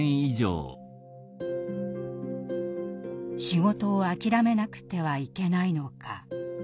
仕事を諦めなくてはいけないのか。